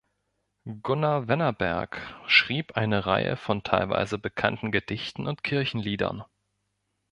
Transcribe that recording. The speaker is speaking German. Gunnar Wennerberg schrieb eine Reihe von teilweise bekannten Gedichten und Kirchenliedern.